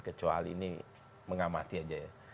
kecuali ini mengamati aja ya